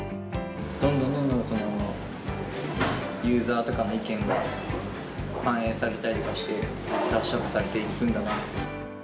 どんどんどんどんユーザーとかの意見が、反映されたりとかして、ブラッシュアップされていくんだなと。